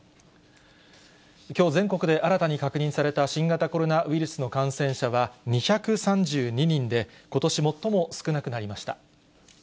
きょう全国で新たに確認された新型コロナウイルスの感染者は２３２人で、ことし最も少なくなりました。